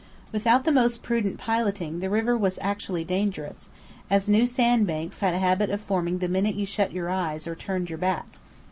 Without the most prudent piloting the river was actually dangerous, as new sandbanks had a habit of forming the minute you shut your eyes or turned your back.